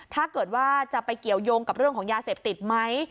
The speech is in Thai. ถ้าเกิดว่าจะไปเกี่ยวยงกับเรื่องของยาเสพติดไหม